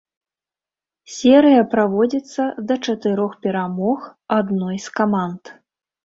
Серыя праводзіцца да чатырох перамог адной з каманд.